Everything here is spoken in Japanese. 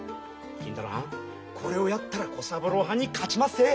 「金太郎はんこれをやったら小三郎はんに勝ちまっせ！」。